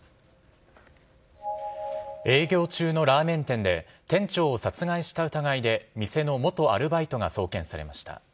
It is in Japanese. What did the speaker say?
営業中のラーメン店で、店長を殺害した疑いで、店の元アルバイトが送検されました。